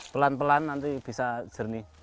pelan pelan nanti bisa jernih